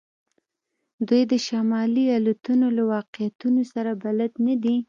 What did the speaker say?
دوی د شمالي الوتنو له واقعیتونو سره بلد نه دي